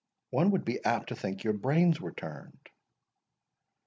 One would be apt to think your brains were turned."